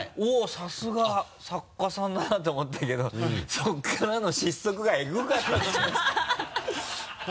さすが作家さんだなと思ったけどそこからの失速がエグかったよねハハハ